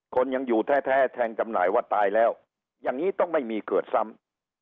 คนยังอยู่แท้แทงจำหน่ายว่าตายแล้วอย่างนี้ต้องไม่มีเกิดซ้ำ